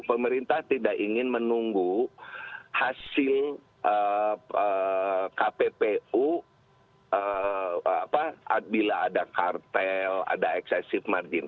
pemerintah tidak ingin menunggu hasil kppu bila ada kartel ada excessive margin